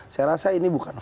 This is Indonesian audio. saya rasa ini bukan